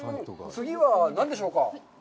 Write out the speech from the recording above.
次は何でしょうか。